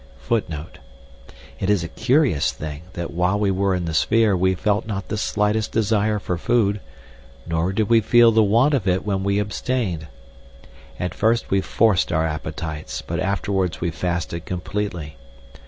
It is a curious thing, that while we were in the sphere we felt not the slightest desire for food, nor did we feel the want of it when we abstained. At first we forced our appetites, but afterwards we fasted completely.